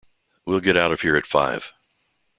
We'll get out of here at five.